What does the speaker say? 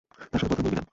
তার সাথে কথা বলবি না।